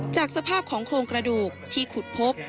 จากสภาพของโครงกระดูกที่ขุดพบ